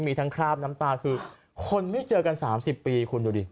มีทั้งคราบน้ำตาคือคนไม่เจอกัน๓๐ปีคุณดูดิ